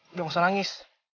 udah gak usah nangis